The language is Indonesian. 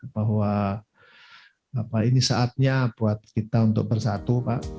bahwa ini saatnya buat kita untuk bersatu pak